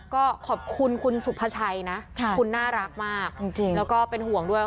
ก็ขอบคุณคุณสุภาชัยนะคุณน่ารักมากจริงแล้วก็เป็นห่วงด้วย